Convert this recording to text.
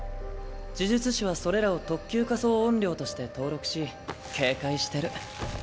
呪術師はそれらを特級仮想怨霊として登録し警戒してる。